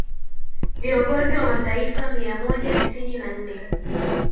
viongozi wa mataifa mia moja tisini na nne